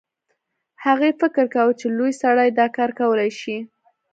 هغې فکر کاوه چې لوی سړی دا کار کولی شي